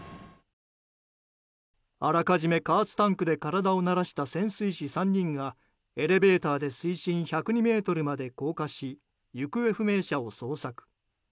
あらかじめ加圧タンクで体を慣らした潜水士３人がエレベーターで水深１０２ｍまで降下し行方不明者を捜索。